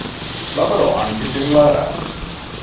Lavorò anche per la radio.